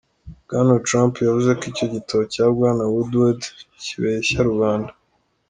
Bwana Trump yavuze ko icyo gitabo cya Bwana Woodward "kibeshya rubanda.